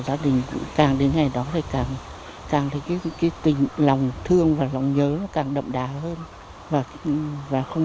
gia đình cũng càng đến ngày đó thì càng thấy cái tình lòng thương và lòng nhớ càng đậm đà hơn và không